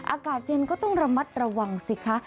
อากาศเย็นก็ต้องระมัดระวังสิคะ